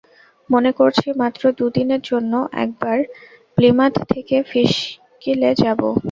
মনে করছি, মাত্র দু-দিনের জন্য একবার প্লিমাথ থেকে ফিশকিলে যাব।